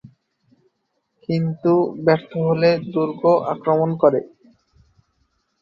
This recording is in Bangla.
কিন্ত ব্যর্থ হলে দুর্গ আক্রমণ করে।